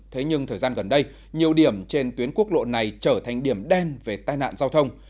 thế nhưng thời gian gần đây nhiều điểm trên tuyến quốc lộ này trở thành điểm đen về tai nạn giao thông